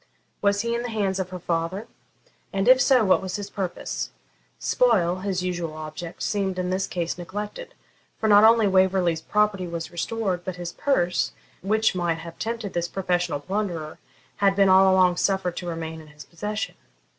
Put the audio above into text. Was he in the hands of her father? and if so, what was his purpose? Spoil, his usual object, seemed in this case neglected; for not only Waverley's property was restored, but his purse, which might have tempted this professional plunderer, had been all along suffered to remain in his possession.